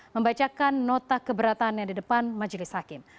membacakan nota keberatan yang di depan majelis hakim